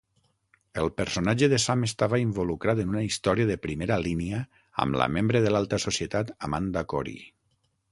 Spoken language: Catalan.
El personatge de Sam estava involucrat en una història de primera línia amb la membre de l'alta societat Amanda Cory.